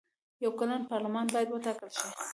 یو کلن پارلمان باید وټاکل شي.